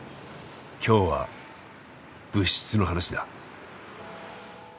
今日は「物質」の話だ。